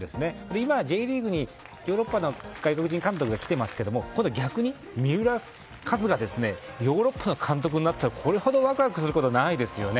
今、Ｊリーグにヨーロッパの外国人監督が来ていますけど逆に三浦カズがヨーロッパの監督にもしそうなったらこれほどワクワクすることはないですよね。